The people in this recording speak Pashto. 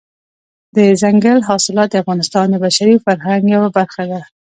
دځنګل حاصلات د افغانستان د بشري فرهنګ یوه برخه ده.